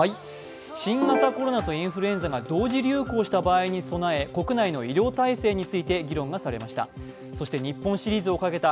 新型コロナとインフルエンザが同時流行した場合に備え国内の医療体制について議論がされました。